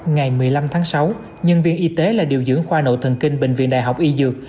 ngày một mươi năm tháng sáu nhân viên y tế là điều dưỡng khoa nội thần kinh bệnh viện đại học y dược